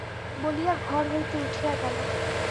বলিয়া ঘর হইতে উঠিয়া গেল।